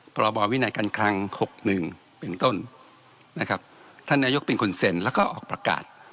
พรบวินัยการคลังหกหนึ่งเป็นต้นนะครับท่านนายกเป็นคนเซ็นแล้วก็ออกประกาศ